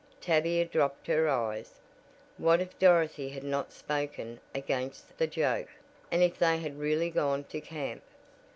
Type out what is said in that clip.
Tavia dropped her eyes. What if Dorothy had not spoken against the joke, and if they had really gone to camp?